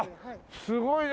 すごいね。